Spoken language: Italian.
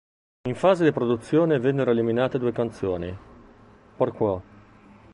In fase di produzione vennero eliminate due canzoni, "Pourquoi?